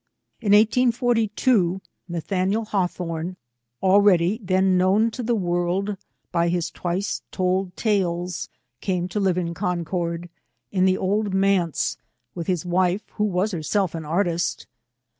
In 1842, Nathaniel Hawthorne, already then known to the world by his Twice Told Tales, came to live in Concord, in the " Old Manse," with his wife, who was herself an artist.